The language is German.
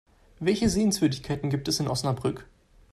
Welche Sehenswürdigkeiten gibt es in Osnabrück?